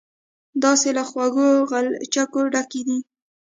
داسې له خوږو غلچکو ډکې دي.